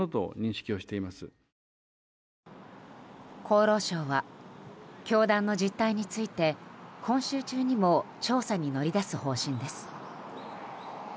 厚労省は教団の実態について今週中にも調査に乗り出す方針です。